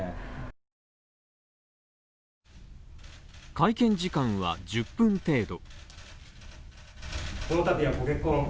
会見時間は１０分程度。